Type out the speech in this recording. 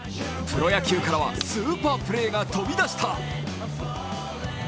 プロ野球からはスーパープレーが飛び出した。